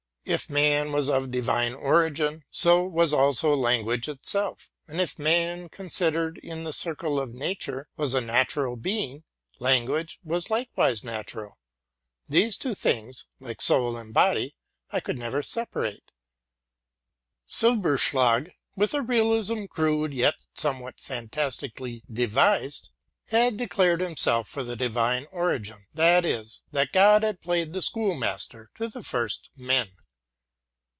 If man was of divine origin, so was also language; and if RELATING TO MY LIFE. 17 man, considered in the circle of nature, was a natural being, language was likewise natural. These two things, like soul and body, I could never separate. Sissmilch, with a realism crude, yet somewhat fantastically devised, had declared him self for the divine origin; that is, that God had played the schoolmaster to the first men.